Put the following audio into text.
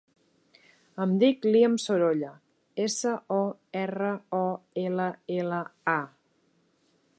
Em dic Liam Sorolla: essa, o, erra, o, ela, ela, a.